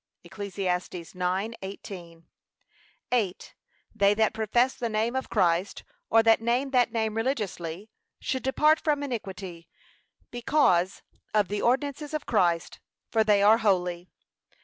(Eccl. 9:18) Eighth, They that profess the name of Christ, or that name that name religiously, should depart from iniquity, because of the ordinances of Christ, for they are holy.